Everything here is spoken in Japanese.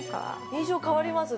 印象変わります。